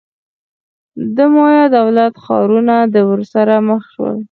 د مایا دولت-ښارونه ورسره مخ شول.